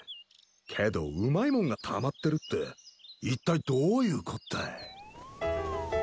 けどうまいもんがたまってるって一体どういうこったい。